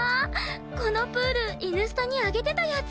このプールイヌスタに上げてたやつ！